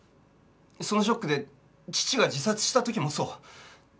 そのショックで父が自殺した時もそう。